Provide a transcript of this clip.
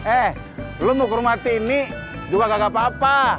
eh lu mau ke rumah tini juga nggak apa apa